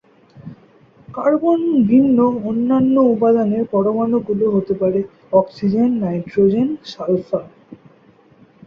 Carbon ভিন্ন অন্যান্য উপাদানের পরমাণু গুলো হতে পারে অক্সিজেন, নাইট্রোজেন, সালফার।